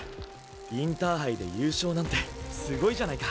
インターハイで優勝なんてすごいじゃないか！